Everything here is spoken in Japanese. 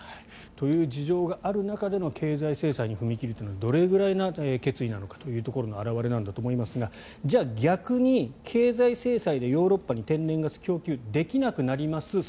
という事情がある中での経済制裁に踏み切るというのはどれぐらいの決意なのかという表れなんだと思いますがじゃあ、逆に経済制裁でヨーロッパに天然ガスを供給できなくなります